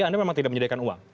anda memang tidak menyediakan uang